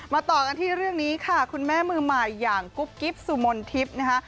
ต่อกันที่เรื่องนี้ค่ะคุณแม่มือใหม่อย่างกุ๊บกิ๊บสุมนทิพย์นะคะ